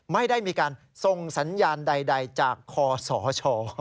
ไม่ได้มีการส่งสัญญาณใดจากคอสช